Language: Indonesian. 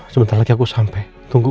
sebentar lagi aku sampai